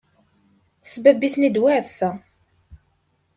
Tessembabb-iten-id wa ɣef-wa.